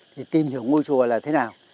thì tìm hiểu ngôi chùa là thế nào